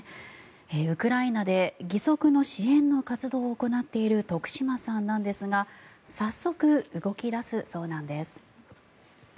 ウクライナで義足の支援の活動を行っている徳島さんなんですが早速、動き出すそうなんです。